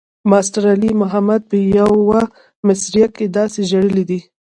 ماسټر علي محمد پۀ يو مرثيه کښې داسې ژړلے دے